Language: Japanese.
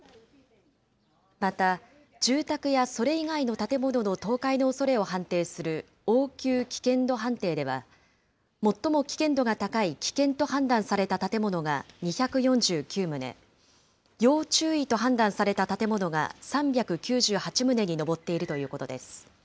また、住宅やそれ以外の建物の倒壊のおそれを判定する応急危険度判定では、最も危険度が高い危険と判断された建物が２４９棟、要注意と判断された建物が３９８棟に上っているということです。